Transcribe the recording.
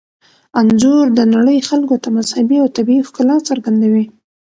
انځور د نړۍ خلکو ته مذهبي او طبیعي ښکلا څرګندوي.